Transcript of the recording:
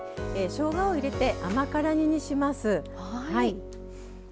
しょうがを入れて甘辛煮にします。